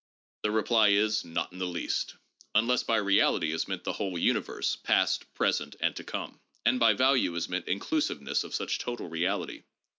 The reply is : Not in the least, unless by reality is meant the whole universe, past, present, and to come ; and by value is meant inclusiveness of such total reality.